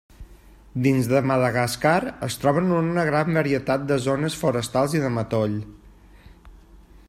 Dins de Madagascar, es troben en una gran varietat de zones forestals i de matoll.